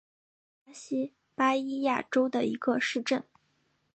普拉杜是巴西巴伊亚州的一个市镇。